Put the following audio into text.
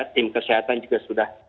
tim kesehatan juga sudah